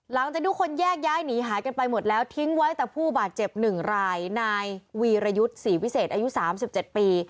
หลังจากทุกคนแยกย้ายหนีหายกันไปหมดแล้วทิ้งไว้แต่ผู้บาดเจ็บ๑รายนายวีรยุทธ์ศรีวิเศษอายุ๓๗ปี